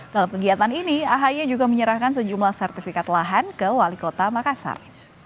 dalam kegiatan ini ahy juga menyerahkan sejumlah sertifikat lahan ke wali kota makassar